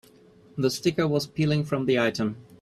The sticker was peeling from the item.